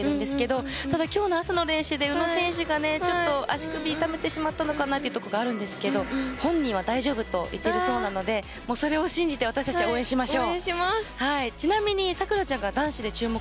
本当に３選手とも、かなり調子も上がってきてるんですけど今日の朝の練習で宇野選手がちょっと足首痛めてしまったのかなというところがあるんですけど本人は大丈夫と言っているそうなのでそれを信じて私たちも応援しましょう。